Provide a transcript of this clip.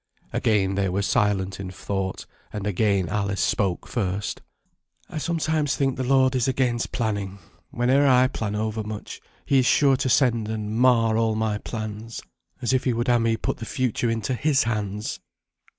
Again they were silent in thought, and again Alice spoke first. "I sometimes think the Lord is against planning. Whene'er I plan over much, He is sure to send and mar all my plans, as if He would ha' me put the future into His hands.